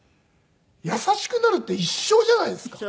優しくなるって一生じゃないですか。